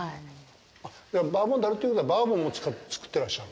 バーボンだるということはバーボンを造ってらっしゃる？